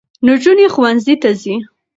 نجونې ښوونځي ته ځي.